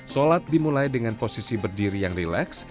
sholat dimulai dengan posisi berdiri yang rileks